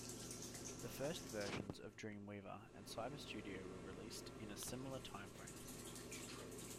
The first versions of Dreamweaver and Cyberstudio were released in a similar timeframe.